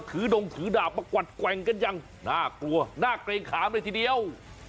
ดงถือดาบมากวัดแกว่งกันอย่างน่ากลัวน่าเกรงขามเลยทีเดียว